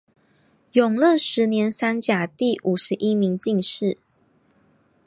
永乐十年三甲第五十一名进士。